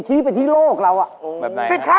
ชี้ไปที่โลกเราอะ